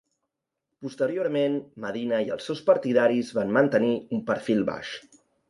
Posteriorment Medina i els seus partidaris van mantenir un perfil baix.